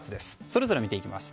それぞれ見ていきます。